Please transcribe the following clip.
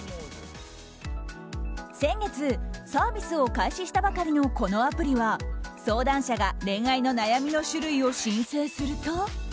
先月サービスを開始したばかりのこのアプリは相談者が恋愛の悩みの種類を申請すると。